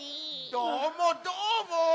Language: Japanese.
どーもどーも！